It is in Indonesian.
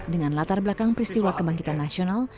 dengan latar belakang peristiwa kebangkitan nasional